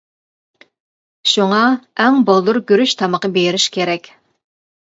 شۇڭا، ئەڭ بالدۇر گۈرۈچ تامىقى بېرىش كېرەك.